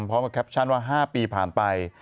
พร้อมมาแคปชั่นว่า๕ปีผ่านไป